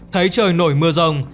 thấy trời nổi mưa rồng